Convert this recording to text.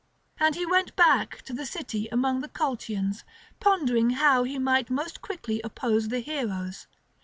And he went back to the city among the Colchians, pondering how he might most quickly oppose the heroes.